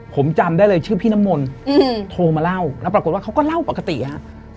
ผมจำได้เลยชื่อพี่น้ำมนต์โทรมาเล่าแล้วปรากฏว่าเขาก็เล่าปกติฮะ